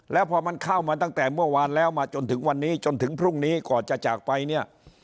แล้วพอมันเข้ามาตั้งแต่เมื่อวานแล้วมาจนถึงวันนี้จนถึงพรุ่งนี้ก่อนจะจากไปเนี่ย